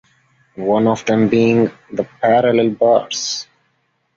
One of them being the parallel bars.